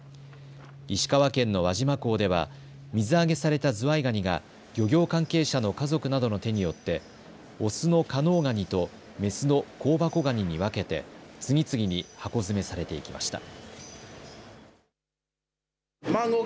石川県の輪島港では水揚げされたズワイガニが漁業関係者の家族などの手によってオスの加能ガニとメスの香箱ガニに分けて次々に箱詰めされていきました。